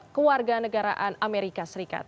ke warga negaraan amerika serikat